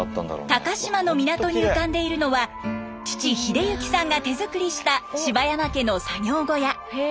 高島の港に浮かんでいるのは父英行さんが手作りした柴山家の作業小屋。